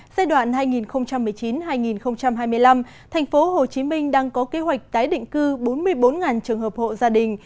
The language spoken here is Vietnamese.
giai đoạn hai nghìn một mươi chín hai nghìn hai mươi năm thành phố hồ chí minh đang có kế hoạch tái định cư bốn mươi bốn trường hợp hộ gia đình